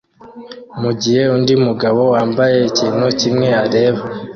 mugihe undi mugabo wambaye ikintu kimwe areba